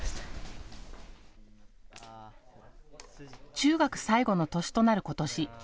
中学最後の年となる、ことし。